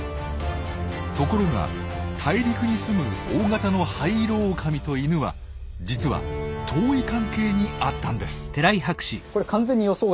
ところが大陸に住む大型のハイイロオオカミとイヌは実は遠い関係にあったんです。